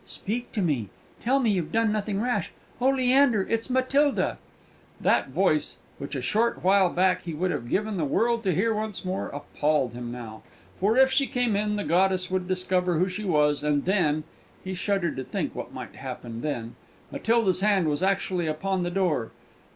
Speak to me; tell me you've done nothing rash! Oh, Leander, it's Matilda!" That voice, which a short while back he would have given the world to hear once more, appalled him now. For if she came in, the goddess would discover who she was, and then he shuddered to think what might happen then! Matilda's hand was actually on the door.